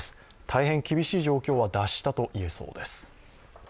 大変厳しい状況は脱したと言えそうです。